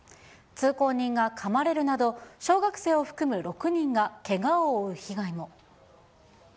通行人がかまれるなど、小学生を含む６人がけがを負う被害も。